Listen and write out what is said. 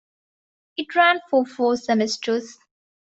It ran for four semesters.